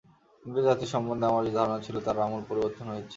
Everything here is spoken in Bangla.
ইংরেজ জাতি সম্বন্ধে আমার যে ধারণা ছিল, তার আমূল পরিবর্তন হয়েছে।